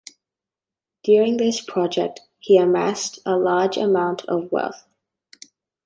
During this project, he amassed a large amount of wealth.